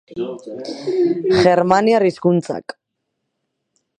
Germaniar hizkuntzak.